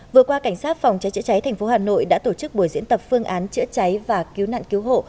vừa qua cảnh sát phòng trái chữa trái tp hà nội đã tổ chức buổi diễn tập phương án chữa trái và cứu nạn cứu hộ